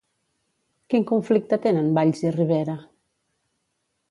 Quin conflicte tenen Valls i Rivera?